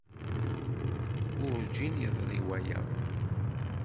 Werǧin yeḍri waya.